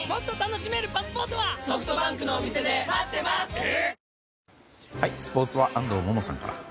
新発売スポーツは安藤萌々さんから。